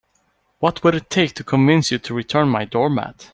What would it take to convince you to return my doormat?